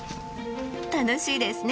楽しいですね。